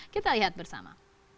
kita lihat bersama